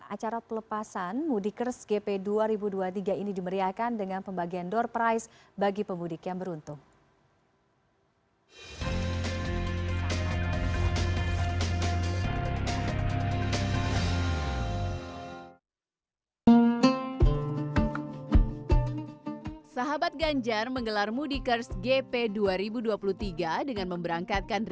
acara pelepasan mudikers gp dua ribu dua puluh tiga ini dimeriahkan dengan pembagian door price bagi pemudik yang beruntung